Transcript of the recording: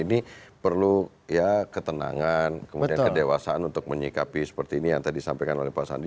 ini perlu ya ketenangan kemudian kedewasaan untuk menyikapi seperti ini yang tadi disampaikan oleh pak sandi